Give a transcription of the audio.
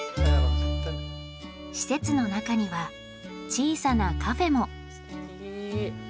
施設の中には小さなカフェも。